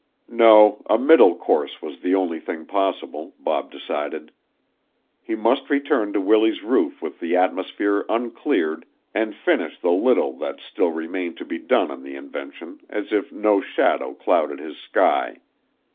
No, a middle course was the only thing possible, Bob decided. He must return to Willie's roof with the atmosphere uncleared and finish the little that still remained to be done on the invention as if no shadow clouded his sky.